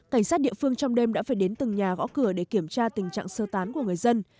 cảnh sát địa phương trong đêm đã phải đến từng nhà gõ cửa để kiểm tra tình trạng sơ tán của người dân